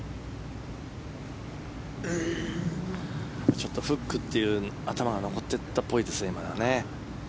ちょっとフックというのが頭に残ってたっぽいですね。